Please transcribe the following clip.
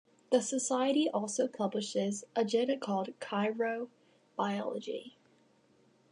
The Society also publishes a journal called "Cryobiology".